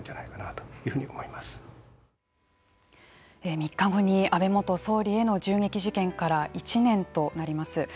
３日後に安倍元総理への銃撃事件から１年となります。